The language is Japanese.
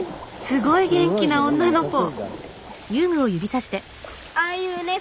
すごい元気な女の子。